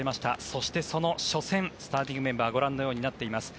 そしてその初戦スターティングメンバーはこうなっています。